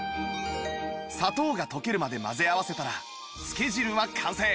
砂糖が溶けるまで混ぜ合わせたらつけ汁は完成